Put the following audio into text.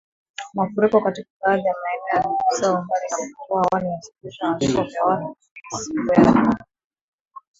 Mafuriko katika baadhi ya maeneo ya Bugisu, Mbale na Kapchorwa awali yalisababisha vifo vya watu kumi siku ya Jumapili